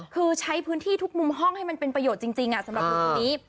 คือใช้พื้นที่ทุกมุมห้องให้มันเป็นประโยชน์จริงสำหรับหนุ่มคนนี้